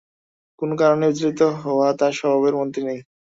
কোনো কারণে বিচলিত হওয়া তাঁর স্বভাবের মধ্যেই নেই।